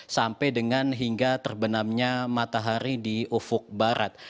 sampai dengan hingga terbenamnya matahari di ufuk barat